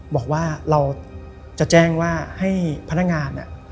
บอกว่าเราจะแจ้งว่าให้พนักงาน